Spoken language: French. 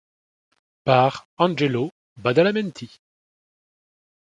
Par Angelo Badalamenti.